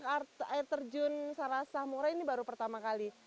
kalau air terjun sarasah mura ini baru pertama kali